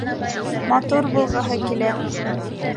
Матур булғыһы килә.